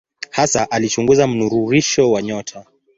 Hasa alichunguza mnururisho wa nyota.